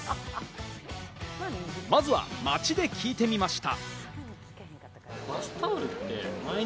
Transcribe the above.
まずは街で聞いてみました。